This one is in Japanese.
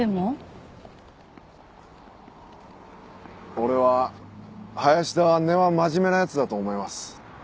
俺は林田は根は真面目な奴だと思います。